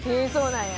なんや？